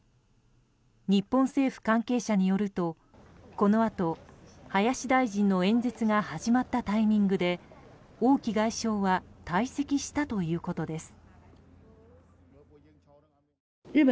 日本政府関係者によるとこのあと林大臣の演説が始まったタイミングで王毅外相は退席したということです。